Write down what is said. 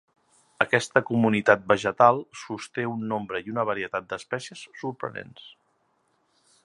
Aquesta comunitat vegetal sosté un nombre i una varietat d'espècies sorprenents.